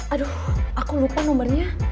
aduh aku lupa nomernya